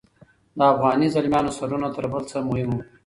د افغاني زلمیانو سرونه تر بل څه مهم وو.